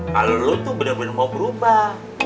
kalo lu tuh bener bener mau berubah